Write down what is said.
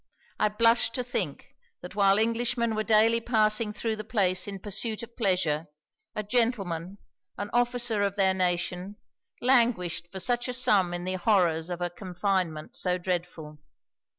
I blushed to think, that while Englishmen were daily passing thro' the place in pursuit of pleasure, a gentleman, an officer of their nation, languished for such a sum in the horrors of a confinement so dreadful.